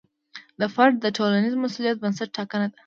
د فرد د ټولنیز مسوولیت بنسټ ټاکنه ده.